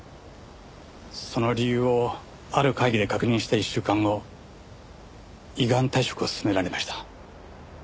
その理由をある会議で確認した１週間後依願退職を勧められました。